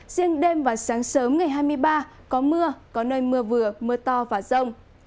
riêng đêm và sáng sớm ngày hai mươi ba có mưa có nơi mưa vừa mưa to và rông